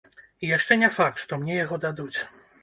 І яшчэ не факт, што мне яго дадуць.